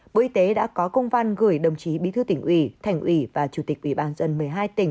bộ y tế đã có công văn gửi đồng chí bí thư tỉnh ủy thành ủy và chủ tịch ủy ban dân một mươi hai tỉnh